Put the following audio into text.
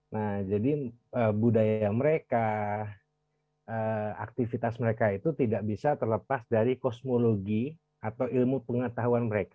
nah jadi budaya mereka aktivitas mereka itu tidak bisa terlepas dari kosmologi atau ilmu pengetahuan mereka